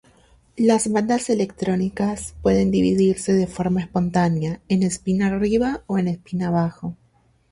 Las bandas electrónicas pueden dividirse de forma espontánea en espín arriba y espín abajo.